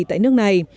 tại nước này